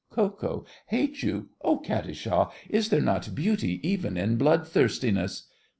KO. Hate you? Oh, Katisha! is there not beauty even in bloodthirstiness?